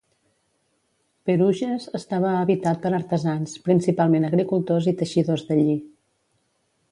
Pérouges estava habitat per artesans, principalment agricultors i teixidors de lli.